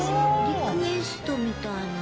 リクエストみたいなの。